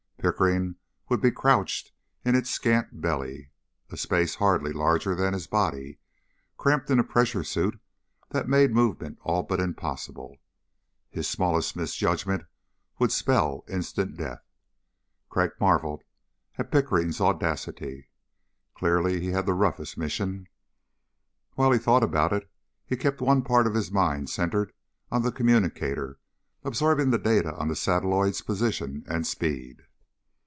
Pickering would be crouched in its scant belly, a space hardly larger than his body, cramped in a pressure suit that made movement all but impossible. His smallest misjudgment would spell instant death. Crag marveled at Pickering's audacity. Clearly he had the roughest mission. While he thought about it, he kept one part of his mind centered on the communicator absorbing the data on the satelloid's position and speed.